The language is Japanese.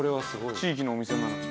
地域のお店なのに。